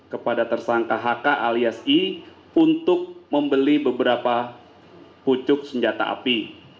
kepada tersangka hk alias i untuk membeli beberapa pucuk senjata api